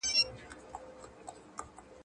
دا اثر زموږ د کلتوري پوهې په زیاتولو کې مرسته کوي.